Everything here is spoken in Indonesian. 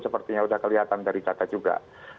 sepertinya sudah kelihatan dari data juga